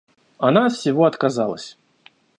Она от всего отказалась.